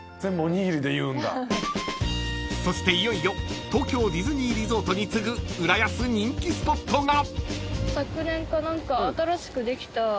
［そしていよいよ東京ディズニーリゾートに次ぐ浦安人気スポットが］